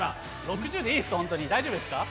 大丈夫ですか？